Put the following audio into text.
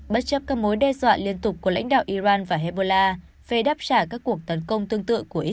bất chấp các mối đe dọa liên tục của lãnh đạo iran và hezbollah về đáp trả các cuộc tấn công